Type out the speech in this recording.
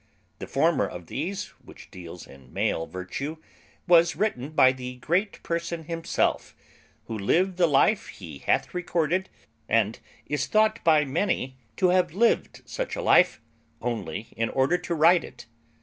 The former of these, which deals in male virtue, was written by the great person himself, who lived the life he hath recorded, and is by many thought to have lived such a life only in order to write it.